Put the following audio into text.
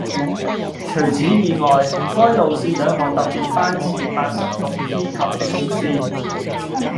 除此以外，該路線兩項特別班次八十六 P 及 X 線